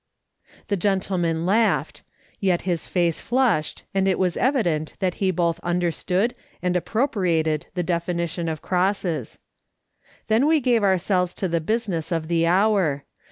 The gentleman laughed ; yet his face flushed, and it was evident that he both understood and appro priated the definition of crosses. Then we gave our selves to the business of the hour.